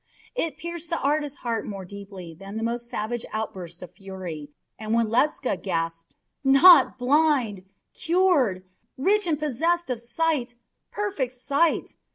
It pierced the artist's heart more deeply than the most savage outburst of fury, and when Ledscha gasped: "Not blind! Cured! Rich and possessed of sight, perfect sight!"